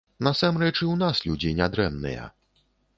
Насамрэч, і ў нас людзі нядрэнныя.